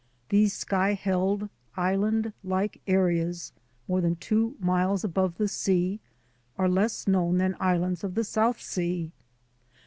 These sky held, island like areas, more than two miles above the sea, are less known than islands of the South Sea.